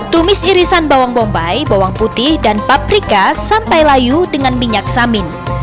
tumis irisan bawang bombay bawang putih dan paprika sampai layu dengan minyak samin